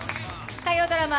火曜ドラマ